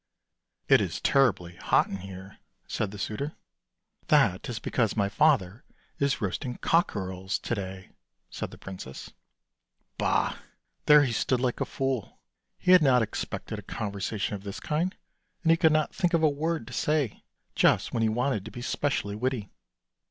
" It is terribly hot in here," said the suitor. " That is because my father is roasting cockerels to day," said the princess. Bah! There he stood like a fool; he had not expected a conversation of this kind, and he could not think of a word to say, just when he wanted to be specially witty.